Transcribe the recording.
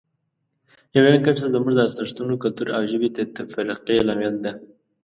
ډیورنډ کرښه زموږ د ارزښتونو، کلتور او ژبې د تفرقې لامل ده.